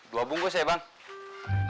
dua bungkus ya bang